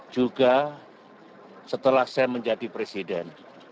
juga setelah saya menjadi presiden